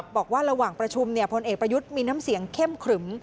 บอกว่าระหว่างประชุมพลเอกประยุทธ์มีน้ำเสียงเข้มขรึม